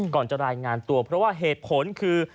จะรายงานตัวเพราะว่าเหตุผลคือ